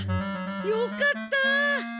よかった。